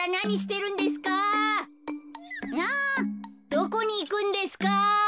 どこにいくんですか？